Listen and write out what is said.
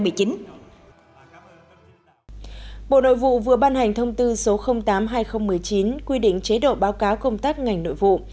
bộ nội vụ vừa ban hành thông tư số tám hai nghìn một mươi chín quy định chế độ báo cáo công tác ngành nội vụ